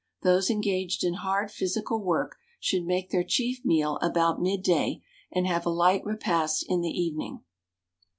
Those engaged in hard physical work should make their chief meal about midday, and have a light repast in the evening.